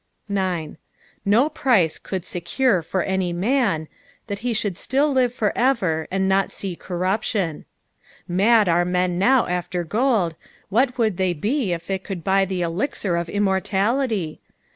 9. No price could secure for any man " That he th^itd riW live for eter, and not tee eorrvption." Mad are men now after gold, what would they be if it could buy the elixir of immortnlity